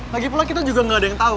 lagi pula kita juga gak ada yang tau